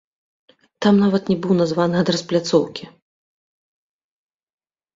Там нават не быў названы адрас пляцоўкі!